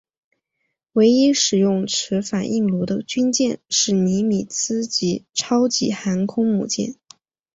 唯一使用此反应炉的军舰是尼米兹级超级航空母舰。